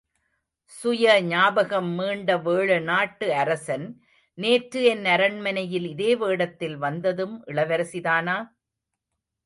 சுய ஞாபகம் மீண்ட வேழநாட்டு அரசன், நேற்று என் அரண்மனையில் இதே வேடத்தில் வந்ததும் இளவரசிதானா?...